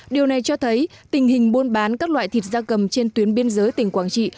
điều này cho thấy tình hình buôn bán các loại thịt gia cầm trên tuyến biên giới tỉnh quảng trị